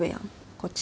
こっち